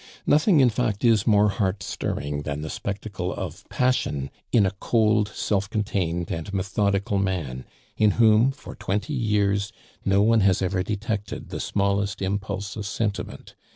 Nothing, in fact, is more heart stirring than the spectacle of passion in a cold, self contained, and methodical man, in whom, for twenty years, no one has ever detected the smallest impulse of sentiment.